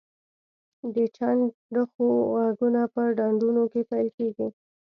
د چنډخو غږونه په ډنډونو کې پیل کیږي